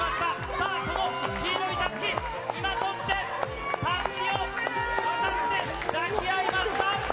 さあ、その黄色いたすき、今取って、たすきを渡して、抱き合いました。